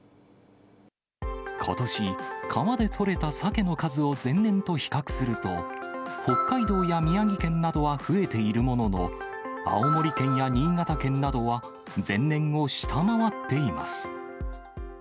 ことし、川で取れたサケの数を前年と比較すると、北海道や宮城県などは増えているものの、青森県や新潟県などは、前年を下回っています。